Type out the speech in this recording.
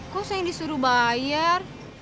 kok saya yang disuruh bayar